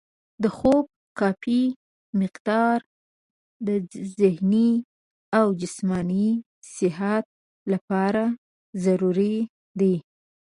د خوب کافي مقدار د ذهني او جسماني صحت لپاره ضروري دی.